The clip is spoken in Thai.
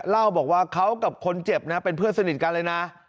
เล่าบอกว่าเขากับคนเจ็บนะเป็นเพื่อนสนิทกันเลยนะ